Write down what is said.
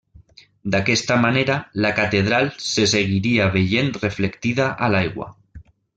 D'aquesta manera la Catedral se seguiria veient reflectida a l'aigua.